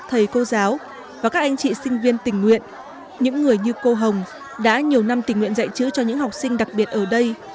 các thầy cô giáo và các anh chị sinh viên tình nguyện những người như cô hồng đã nhiều năm tình nguyện dạy chữ cho những học sinh đặc biệt ở đây